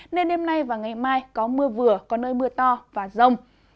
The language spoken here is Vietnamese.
nên đêm nay và ngày mai có mưa vừa có nơi mưa to và rông